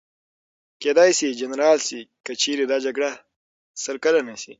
کېدای شي جنرال شي، که چېرې دا جګړه سل کلنه شي.